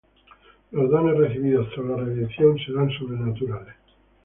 Los dones recibidos tras la Redención serán sobrenaturales.